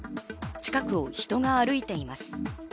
近くを人が歩いています。